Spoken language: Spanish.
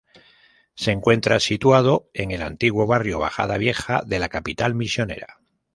Se encuentra situado en el antiguo barrio Bajada Vieja de la capital misionera.